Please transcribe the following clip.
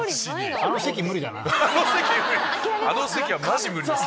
あの席はマジ無理です。